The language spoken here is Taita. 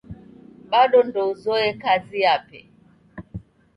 Bado ndouzoye kazi yape.